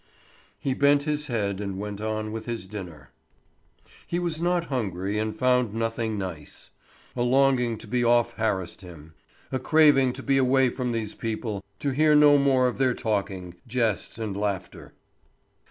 He bent his head and went on with his dinner. He was not hungry and found nothing nice. A longing to be off harassed him, a craving to be away from these people, to hear no more of their talking, jests, and laughter.